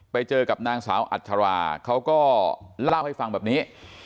ไปเจอกับนางสาวอัชราเขาก็เล่าให้ฟังแบบนี้